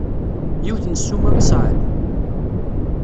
Yiwet n ssuma i sɛan?